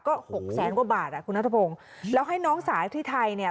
ก็หกแสนกว่าบาทอ่ะคุณนัทพงศ์แล้วให้น้องสาวที่ไทยเนี่ย